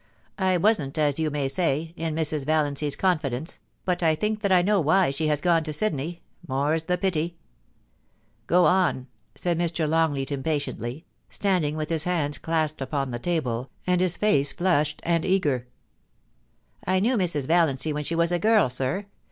I wasn't, as you may say, in Mrs. Valiancy's confidence, but I think that I know why she has gone to Sydney — more's the pity !'* Go on,' said Mr. Longleat impatiently, standing with his hands clasped upon the table, and his face flushed and eager. ' I knew Mrs. Valiancy when she was a girl, sir.